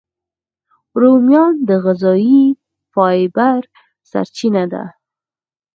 رومیان د غذایي فایبر سرچینه ده